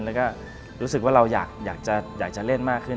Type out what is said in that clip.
แล้วก็รู้สึกว่าเราอยากจะเล่นมากขึ้น